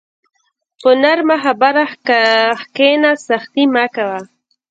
په نرمه خبره کښېنه، سختي مه کوه.